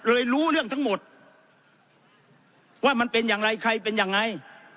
รู้เรื่องทั้งหมดว่ามันเป็นอย่างไรใครเป็นยังไง